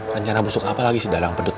rencana busuk apa lagi si dalang pedut